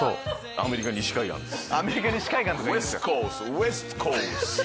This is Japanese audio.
アメリカ西海岸です。